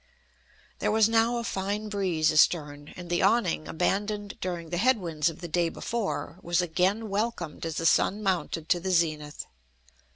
There was now a fine breeze astern, and the awning, abandoned during the head winds of the day before, was again welcomed as the sun mounted to the zenith.